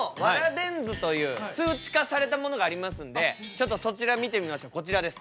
電図という数値化されたものがありますんでちょっとそちら見てみましょうこちらです。